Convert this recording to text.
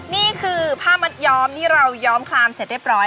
นี่คือพ่ามัดย้อมที่เราย้อมคลามเสร็จได้ป่อย